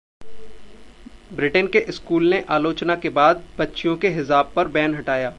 Britain के school ने आलोचना के बाद बच्चियों के हिजाब पर बैन हटाया